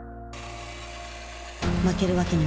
負けるわけにはいかない。